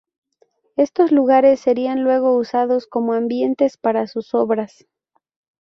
Estos lugares serían luego usados como ambientes para sus obras.